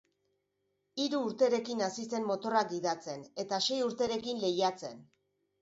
Hiru urterekin hasi zen motorrak gidatzen; eta sei urterekin, lehiatzen.